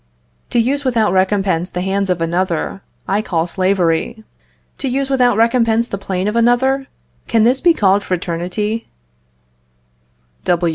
To use without recompense the hands of another, I call slavery; to use without recompense the plane of another, can this be called fraternity?